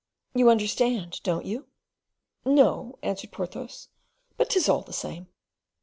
"You understand, don't you?" "No," answered Porthos, "but 'tis all the same."